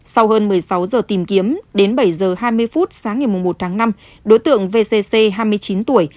sau hơn một mươi sáu giờ tìm kiếm đến bảy h hai mươi phút sáng ngày một tháng năm đối tượng vcc hai mươi chín tuổi